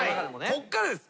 こっからです。